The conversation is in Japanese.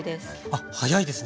あ早いですね。